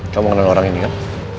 kau mau kenal orang ini kan